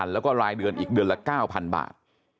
แล้วก็รายเดือนอีกเดือนละ๙๐๐บาท